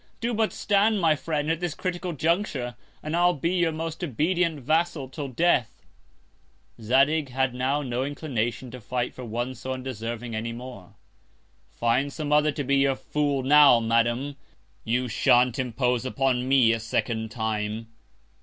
Do but stand my Friend, at this critical Conjuncture, and I'll be your most obedient Vassal till Death. Zadig had now no Inclination to fight for one so undeserving any more. Find some other to be your Fool now, Madam; you shan't impose upon me a second Time.